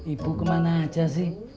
ibu kemana aja sih